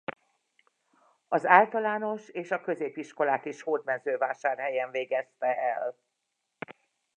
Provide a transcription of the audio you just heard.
Az általános és a középiskolát is Hódmezővásárhelyen végezte el.